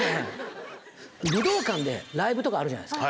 武道館でライブとかあるじゃないですか。